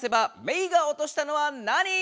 メイが落としたのはなに！